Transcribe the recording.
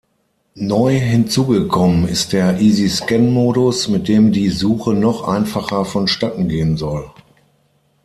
Neu hinzugekommen ist der Easy-Scan-Modus, mit dem die Suche noch einfacher vonstattengehen soll.